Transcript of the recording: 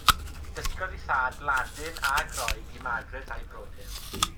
Dysgodd ei thad Ladin a Groeg i Margaret a'i brodyr.